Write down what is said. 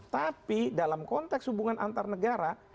tapi dalam konteks hubungan antar negara